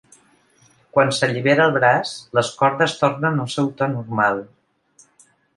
Quan s'allibera el braç, les cordes tornen al seu to normal.